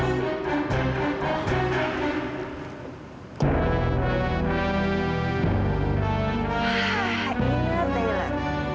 wah ini nanti lah